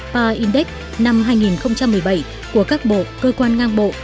pa index năm hai nghìn một mươi bảy của các bộ cơ quan ngang bộ